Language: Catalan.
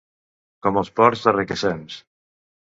Com els porcs de Requesens.